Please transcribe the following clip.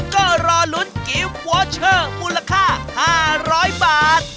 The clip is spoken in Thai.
ก็รอลุ้นกิฟต์วอเชอร์มูลค่า๕๐๐บาท